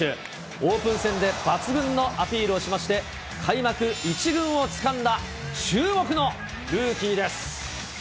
オープン戦で抜群のアピールをしまして、開幕１軍をつかんだ、注目のルーキーです。